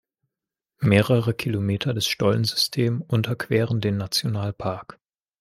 Mehrere Kilometer des Stollensystem unterqueren den Nationalpark.